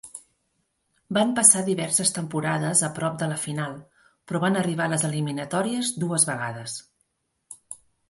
Van passar diverses temporades a prop de la final, però van arribar a les eliminatòries dues vegades.